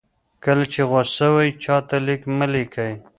کله چې غوسه وئ چاته لیک مه لیکئ.